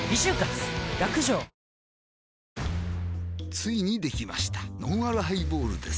ついにできましたのんあるハイボールです